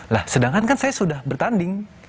nah sedangkan kan saya sudah bertanding